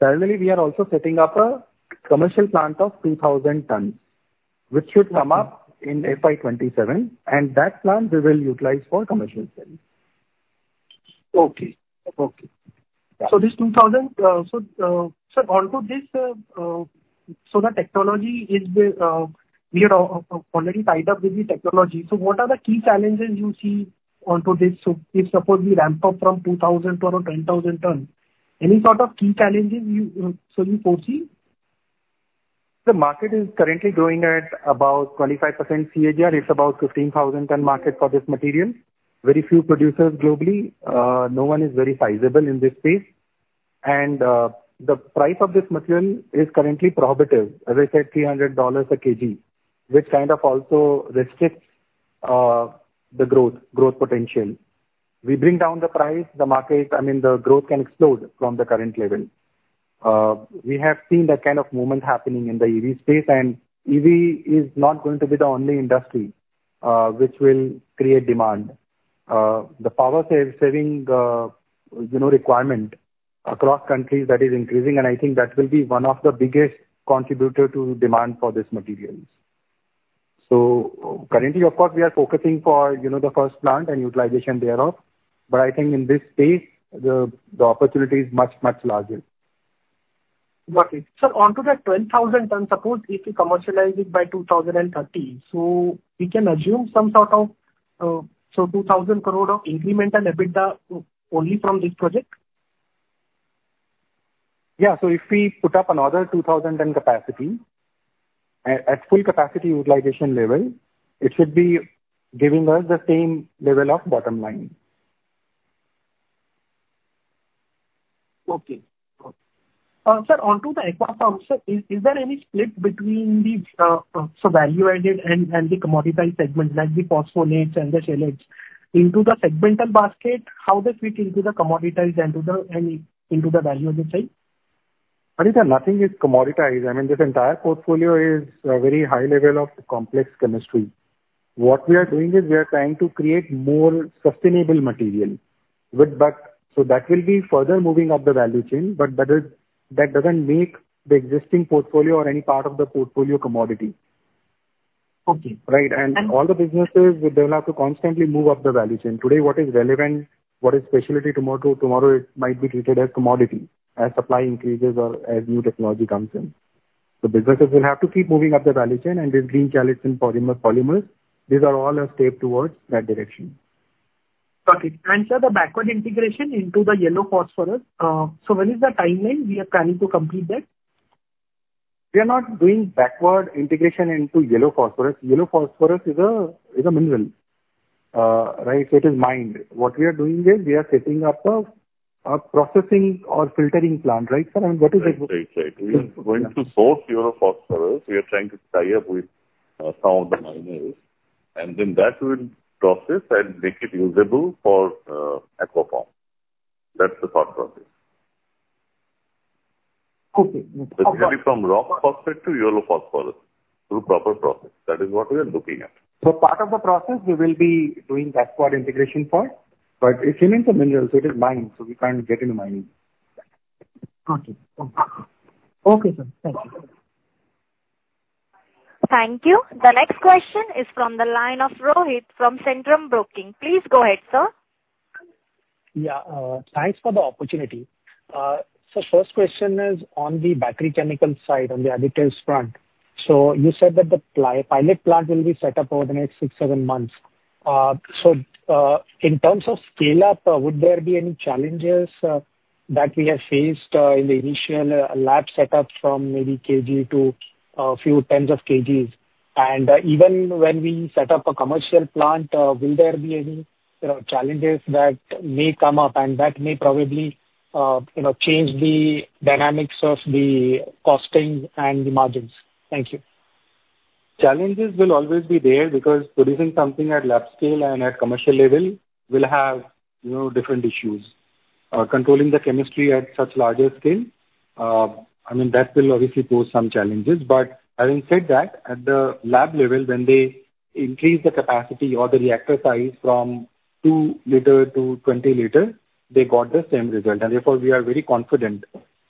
Currently, we are also setting up a commercial plant of 2,000 tons, which should come up in FY27. And that plant, we will utilize for commercial sales. Okay. So this 2,000, sir, onto this, so the technology is we had already tied up with the technology. So what are the key challenges you see onto this? So if, suppose, we ramp up from 2,000 to around 10,000 tons, any sort of key challenges you foresee? The market is currently growing at about 25% CAGR. It's about 15,000-ton market for this material. Very few producers globally. No one is very sizable in this space. And the price of this material is currently prohibitive. As I said, $300 per kg, which kind of also restricts the growth potential. We bring down the price, the market, I mean, the growth can explode from the current level. We have seen that kind of movement happening in the EV space, and EV is not going to be the only industry which will create demand. The power saving requirement across countries that is increasing, and I think that will be one of the biggest contributors to demand for this materials. So currently, of course, we are focusing for the first plant and utilization thereof. But I think in this space, the opportunity is much, much larger. Got it. Sir, onto that 10,000 tons, suppose if we commercialize it by 2030, so we can assume some sort of 2,000 crore of incremental EBITDA only from this project? Yeah. So if we put up another 2,000 ton capacity at full capacity utilization level, it should be giving us the same level of bottom line. Okay. Sir, onto the Aquapharm, sir, is there any split between the value-added and the commoditized segment, like the phosphonates and the chelates, into the segmental basket? How does it fit into the commoditized and into the value-added side? Aditya, nothing is commoditized. I mean, this entire portfolio is a very high level of complex chemistry. What we are doing is we are trying to create more sustainable material with that. So that will be further moving up the value chain, but that doesn't make the existing portfolio or any part of the portfolio commodity. Okay. Right? And all the businesses, we'll have to constantly move up the value chain. Today, what is relevant, what is specialty tomorrow, tomorrow it might be treated as commodity as supply increases or as new technology comes in. The businesses will have to keep moving up the value chain, and with green chelates, polymers, these are all a step towards that direction. Got it. And sir, the backward integration into the yellow phosphorus, so when is the timeline we are planning to complete that? We are not doing backward integration into yellow phosphorus. yellow phosphorus is a mineral. Right? So it is mined. What we are doing is we are setting up a processing or filtering plant. Right, sir? I mean, what is it? That's exactly. We are going to source yellow phosphorus. We are trying to tie up with some of the minerals. And then that will process and make it usable for Aquapharm. That's the thought process. Okay. It's going to be from rock phosphate to yellow phosphorus through proper process. That is what we are looking at. So part of the process, we will be doing backward integration first. But it's in the minerals, so it is mined, so we can't get into mining. Got it. Okay, sir. Thank you. Thank you. The next question is from the line of Rohit from Centrum Broking. Please go ahead, sir. Yeah. Thanks for the opportunity. Sir, first question is on the battery chemical side, on the additives front. So you said that the pilot plant will be set up over the next six, seven months. So in terms of scale-up, would there be any challenges that we have faced in the initial lab setup from maybe kg to a few tens of kgs? And even when we set up a commercial plant, will there be any challenges that may come up, and that may probably change the dynamics of the costing and the margins? Thank you. Challenges will always be there because producing something at lab scale and at commercial level will have different issues. Controlling the chemistry at such larger scale, I mean, that will obviously pose some challenges. But having said that, at the lab level, when they increase the capacity or the reactor size from two liters to 20 liters, they got the same result. And therefore, we are very confident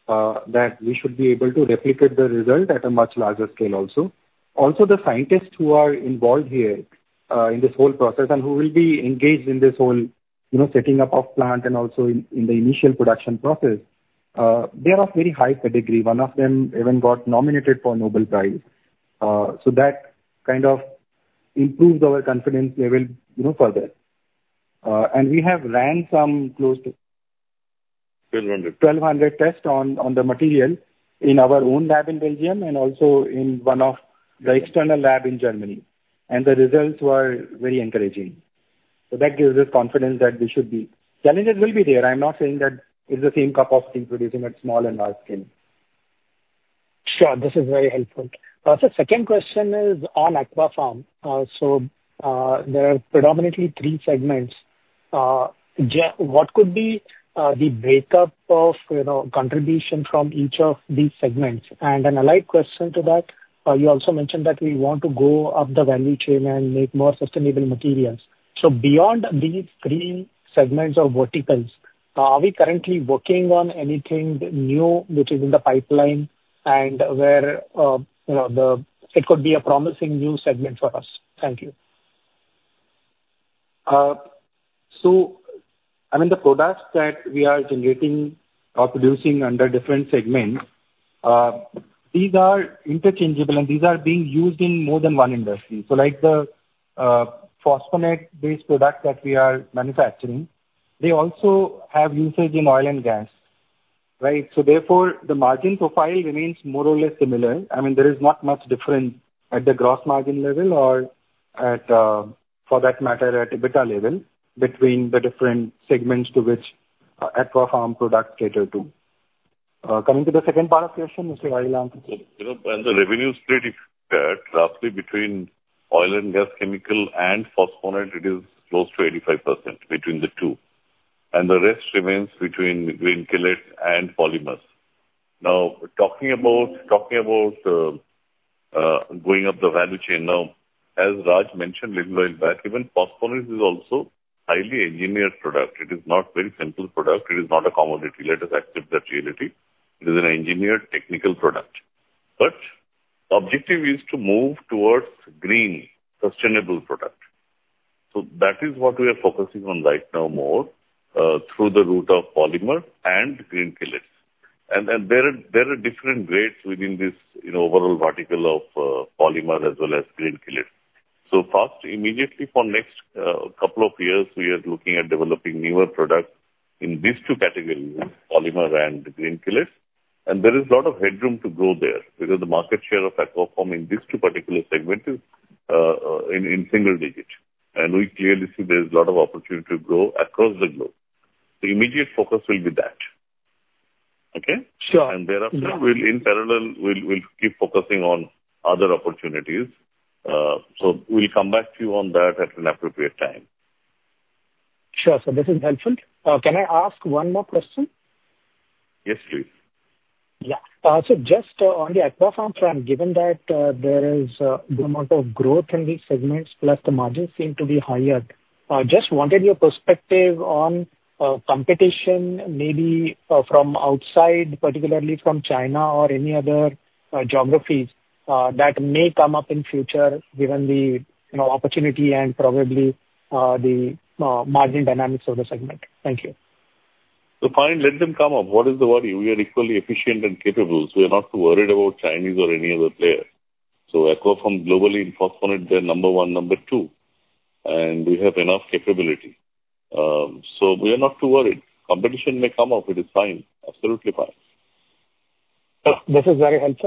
that we should be able to replicate the result at a much larger scale also. Also, the scientists who are involved here in this whole process and who will be engaged in this whole setting up of plant and also in the initial production process, they are of very high pedigree. One of them even got nominated for a Nobel Prize. So that kind of improves our confidence level further. And we have ran some close to. 1,200. 1,200 tests on the material in our own lab in Belgium and also in one of the external labs in Germany. The results were very encouraging. So that gives us confidence that we should be. Challenges will be there. I'm not saying that it's the same capacity producing at small and large scale. Sure. This is very helpful. Sir, second question is on Aquapharm. So there are predominantly three segments. What could be the breakup of contribution from each of these segments? And an allied question to that, you also mentioned that we want to go up the value chain and make more sustainable materials. So beyond these three segments or verticals, are we currently working on anything new which is in the pipeline and where it could be a promising new segment for us? Thank you. So I mean, the products that we are generating or producing under different segments, these are interchangeable, and these are being used in more than one industry. So like the phosphonate-based product that we are manufacturing, they also have usage in oil and gas. Right? So therefore, the margin profile remains more or less similar. I mean, there is not much difference at the gross margin level or, for that matter, at EBITDA level between the different segments to which Aquapharm products cater to. Coming to the second part of the question, Mr. Bhalotia. The revenue is pretty flat. Roughly between oil and gas chemicals and phosphonates, it is close to 85% between the two. The rest remains between green chelates and polymers. Now, talking about going up the value chain, now, as Raj mentioned a little while back, even phosphonates is also a highly engineered product. It is not a very simple product. It is not a commodity. Let us accept that reality. It is an engineered technical product. But the objective is to move towards green, sustainable product. That is what we are focusing on right now more through the route of polymers and green chelates. There are different grades within this overall vertical of polymers as well as green chelates. So, first, immediately for the next couple of years, we are looking at developing newer products in these two categories, polymers and green chelates. There is a lot of headroom to grow there because the market share of Aquapharm in these two particular segments is in single digits. We clearly see there is a lot of opportunity to grow across the globe. The immediate focus will be that. Okay? Sure. And thereafter, in parallel, we'll keep focusing on other opportunities. So we'll come back to you on that at an appropriate time. Sure. So this is helpful. Can I ask one more question? Yes, please. Yeah. So just on the Aquapharm front, given that there is a good amount of growth in these segments, plus the margins seem to be higher, just wanted your perspective on competition, maybe from outside, particularly from China or any other geographies that may come up in the future given the opportunity and probably the margin dynamics of the segment. Thank you. So, fine. Let them come up. What is the worry? We are equally efficient and capable. So we are not too worried about Chinese or any other players. So Aquapharm globally in phosphonate, they're number one, number two. And we have enough capability. So we are not too worried. Competition may come up. It is fine. Absolutely fine. This is very helpful.